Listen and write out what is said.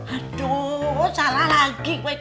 aduh salah lagi kak